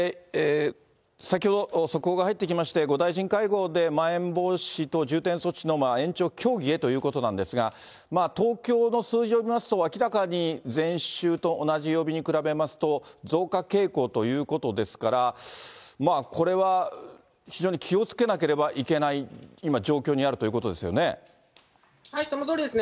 先ほど速報が入ってきまして、５大臣会合でまん延防止等重点措置の延長協議へということなんですが、東京の数字を見ますと、明らかに前週と同じ曜日に比べますと、増加傾向ということですから、これは非常に気をつけなければいけない、今、そのとおりですね。